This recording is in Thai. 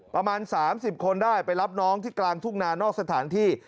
ประมาณ๓๐คนได้ไปรับน้องที่กลางทุ่งนานอกสถานที่